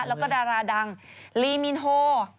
แล้วก็ดาราดังลีมินโฮ